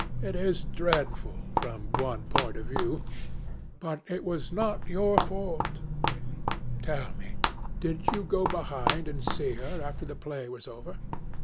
"It is dreadful, from one point of view, but it was not your fault. Tell me, did you go behind and see her, after the play was over?"